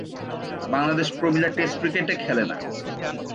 বাংলাদেশ প্রমীলা test cricket খেলে না।